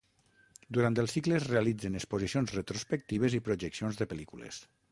Durant el cicle es realitzen exposicions retrospectives i projeccions de pel·lícules.